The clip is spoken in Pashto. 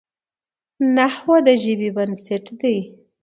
نحوه د ژبي بنسټ دئ.